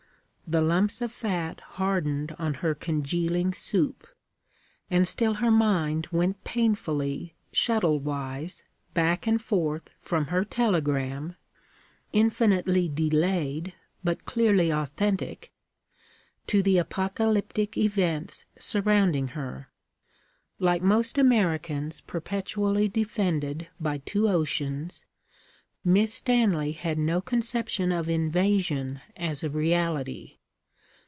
The lumps of fat hardened on her congealing soup; and still her mind went painfully, shuttle wise, back and forth from her telegram infinitely delayed, but clearly authentic to the apocalyptic events surrounding her. Like most Americans perpetually defended by two oceans, Miss Stanley had no conception of invasion as a reality.